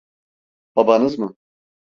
Babanız mı?